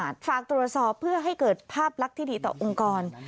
รักที่ดีต่อองค์กร